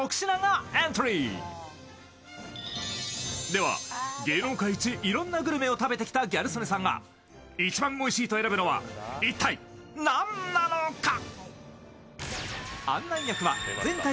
では、芸能界一いろんなグルメを食べてきたギャル曽根さんが一番おいしいと選ぶのは一体何なのか？